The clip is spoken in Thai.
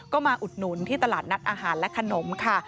ก็มาอุดหนุนที่ตลาดนัดอาหารและขนมค่ะ